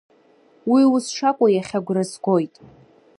Уи ус шакәу иахьа агәра сгоит.